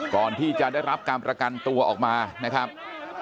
ก่อนที่จะได้รับการประกันตัวออกมานะครับ